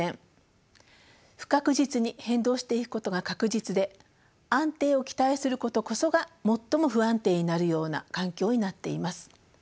不確実に変動していくことが確実で安定を期待することこそが最も不安定になるような環境になっています。